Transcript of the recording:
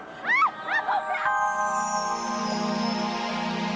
jangan jangan gaboished dari kita